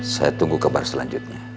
saya tunggu kabar selanjutnya